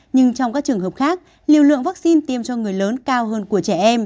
nhưng trong các trường hợp khác liều lượng vaccine tiêm cho người lớn cao hơn của trẻ em